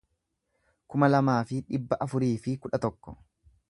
kuma lamaa fi dhibba afurii fi kudha tokko